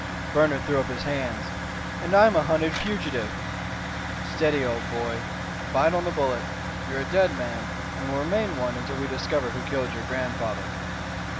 Bernard threw up his hands. "And I'm a hunted fugitive." "Steady, old boy. Bite on the bullet. You're a dead man, and will remain one until we discover who killed your grandfather."